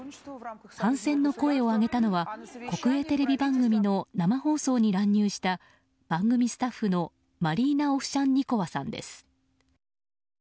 反戦の声を上げたのは国営テレビ番組の生放送に乱入した番組スタッフのマリーナ・オフシャンニコワさんです。